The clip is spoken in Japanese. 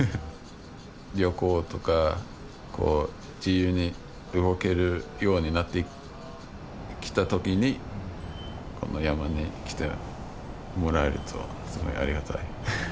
旅行とか自由に動けるようになってきた時にこの山に来てもらえるとすごいありがたい。